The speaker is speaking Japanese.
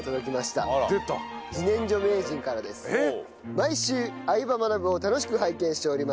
「毎週『相葉マナブ』を楽しく拝見しております」